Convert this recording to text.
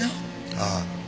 ああ。